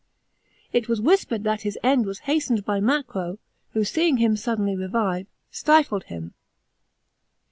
It was whisper* d that his end w^s hastened by Macro, who, seeing him bud.tenly revive, stifled him.